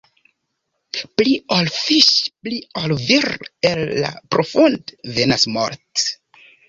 Pli ol fiŝ', pli ol vir', el la profund' venas mort'.